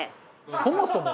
そもそも？